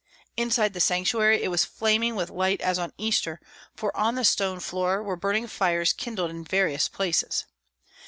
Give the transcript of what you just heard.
Inside the sanctuary it was flaming with light as on Easter, for on the stone floor were burning fires kindled in various places.